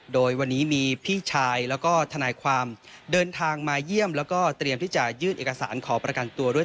โดยวันนี้มีพี่ชายแล้วก็ทนายความเดินทางมาเยี่ยมแล้วก็เตรียมที่จะยื่นเอกสารขอประกันตัวด้วย